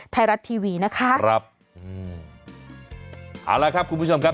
ไทยรัฐทีวีนะคะครับอืมเอาละครับคุณผู้ชมครับ